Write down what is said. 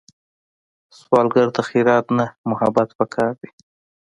سوالګر ته خیرات نه، محبت پکار دی